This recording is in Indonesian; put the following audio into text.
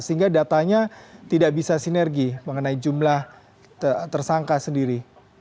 sehingga datanya tidak bisa sinergi mengenai jumlah tersangka sendiri